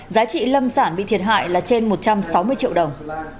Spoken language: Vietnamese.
giá trị lâm sản bị thiệt hại là trên một trăm sáu mươi triệu đồng